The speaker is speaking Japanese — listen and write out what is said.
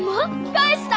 返した？